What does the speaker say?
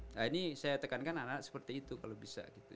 nah ini saya tekankan anak anak seperti itu kalau bisa gitu